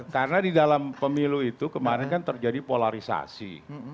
karena di dalam pemilu itu kemarin kan terjadi polarisasi